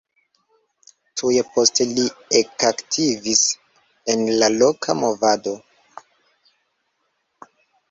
Tuj poste li ekaktivis en la loka movado.